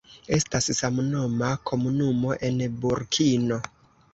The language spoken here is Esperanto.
Estas samnoma komunumo en Burkino.